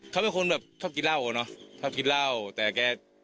เขาเป็นคนแบบชอบกินเหล้าอ่ะเนอะชอบกินเหล้าแต่แก